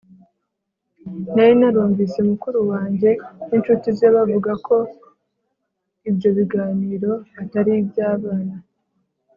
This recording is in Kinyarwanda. nari narumvise mukuru wange n’inshuti ze bavuga ko ibyo biganiro atari iby’abana,